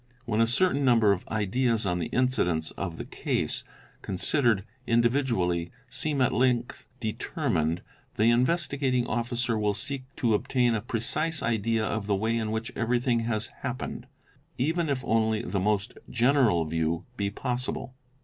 When a certain number of ideas'on the incidents of the case, con sidered individually, seem at length determined, the Investigating Officer ' will seek to obtain a precise idea of the way in which everything has j happened, even if only the most general view be possible.